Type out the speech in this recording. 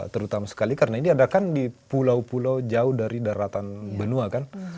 terutama sekali karena ini ada kan di pulau pulau jauh dari daratan benua kan